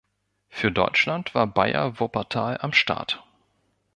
Für Deutschland war Bayer Wuppertal am Start.